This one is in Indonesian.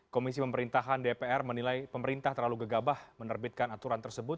komisi pemerintahan dpr menilai pemerintah terlalu gegabah menerbitkan aturan tersebut